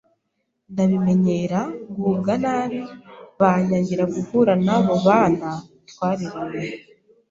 ndabimenyera ngubwa nabi banyagira guhura n’abo bana twareranywe,